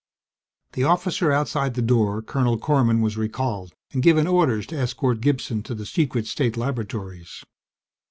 The officer outside the door, Colonel Korman, was recalled and given orders to escort Gibson to the secret state laboratories.